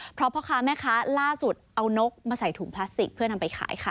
เพราะพ่อค้าแม่ค้าล่าสุดเอานกมาใส่ถุงพลาสติกเพื่อนำไปขายค่ะ